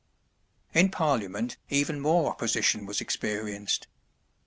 In Parliament even more opposition was experienced.